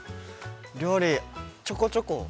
◆料理、ちょこちょこ。